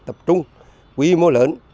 tập trung quy mô lớn